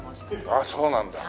ああそうなんだ。